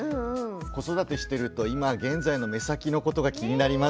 子育てしてると今現在の目先のことが気になりますよね。